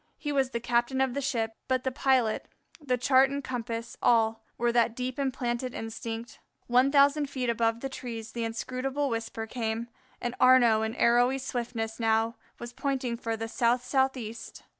He was the captain of the ship, but the pilot, the chart and compass, all, were that deep implanted instinct. One thousand feet above the trees the inscrutable whisper came, and Arnaux in arrowy swiftness now was pointing for the south southeast.